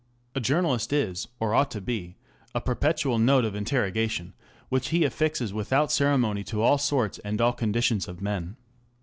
A journalist is, or ought to be, a perpetual note of interrogation, which he affixes without ceremony to all sorts and conditions of men.